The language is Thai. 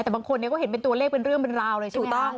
แต่บางคนเนี่ยก็เห็นเป็นตัวเลขเป็นเรื่องเป็นราวเลยใช่ไหมคะ